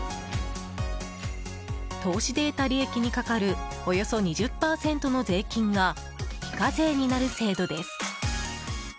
投資で得た利益にかかるおよそ２０％の税金が非課税になる制度です。